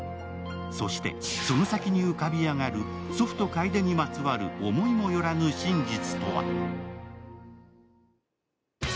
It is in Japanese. そして、その先に浮かび上がる祖父と楓にまつわる思いもよらぬ真実とは？